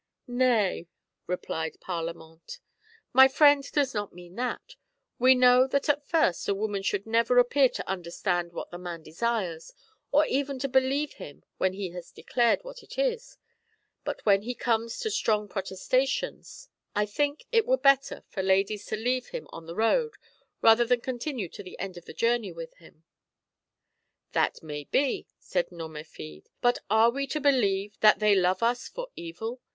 " "Nay," replied Parlamente, "my friend does not mean that We know that at first a woman should never appear to understand what the man desires, or even to believe him when he has declared what it is; but when he comes to strong protestations, I think it were better for ladies to leave him on the road rather than continue to the end of the journey with him." "That may be," said Nomerfide; "but are we to believe that they love us for evil